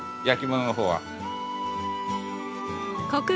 焼き物の方は。